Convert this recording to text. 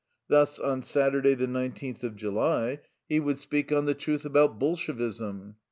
Thus, on Saturday, the nineteenth of July, he would speak on "The Truth about Bolshevism."